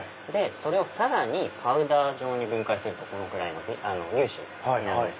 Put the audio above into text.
それをさらにパウダー状に分解するとこのぐらいの粒子になるんです。